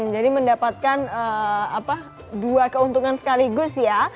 jadi mendapatkan dua keuntungan sekaligus ya